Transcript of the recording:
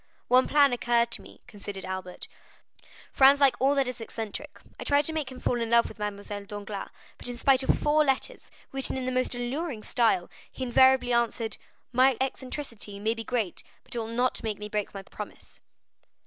"One plan occurred to me," continued Albert; "Franz likes all that is eccentric; I tried to make him fall in love with Mademoiselle Danglars; but in spite of four letters, written in the most alluring style, he invariably answered: 'My eccentricity may be great, but it will not make me break my promise.